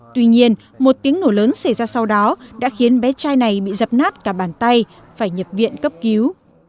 tuy nhiên một tiếng nổ lớn xảy ra sau đó đã khiến bé trai này bị dập nát cả bàn tay phải nhập viện cấp cứu